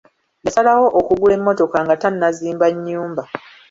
Yasalawo okugula emmotoka nga tannazimba nnyumba.